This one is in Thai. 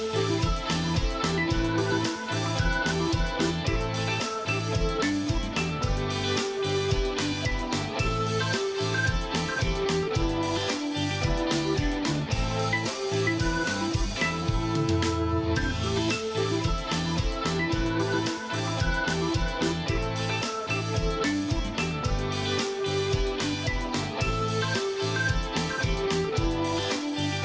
โปรดติดตามตอนต่อไป